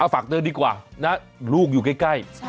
เอาฝากเธอดีกว่านะลูกอยู่ใกล้ใกล้ใช่